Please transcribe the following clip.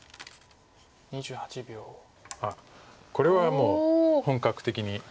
あっこれはもう本格的に。